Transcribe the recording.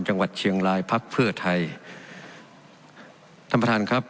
จังหวัดเชียงรายพักเพื่อไทยท่านประธานครับ